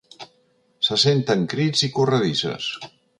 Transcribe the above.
Se senten crits i corredisses.